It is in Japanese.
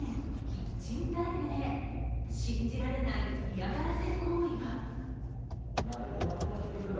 キッチンＤＩＶＥで信じられない嫌がらせ行為が。